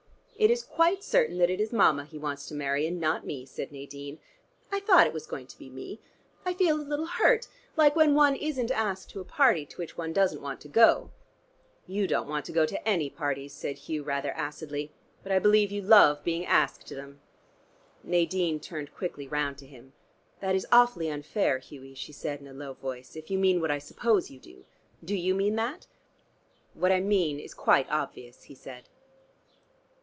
"It is quite certain that it is Mama he wants to marry and not me," said Nadine. "I thought it was going to be me. I feel a little hurt, like when one isn't asked to a party to which one doesn't want to go. "You don't want to go to any parties," said Hugh rather acidly, "but I believe you love being asked to them." Nadine turned quickly round to him. "That is awfully unfair, Hughie," she said in a low voice, "if you mean what I suppose you do. Do you mean that?" "What I mean is quite obvious," he said.